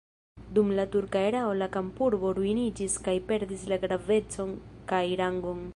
Dum la turka erao la kampurbo ruiniĝis kaj perdis la gravecon kaj rangon.